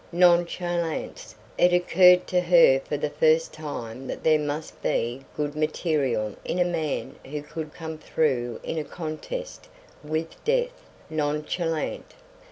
Nonchalance. It occurred to her for the first time that there must be good material in a man who could come through in a contest with death, nonchalant.